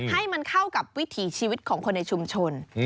ให้มันเข้ากับวิถีชีวิตของคนในชุมชน